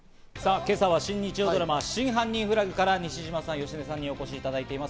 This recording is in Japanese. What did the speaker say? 今朝は新日曜ドラマ『真犯人フラグ』から西島さん、芳根さんにお越しいただいています。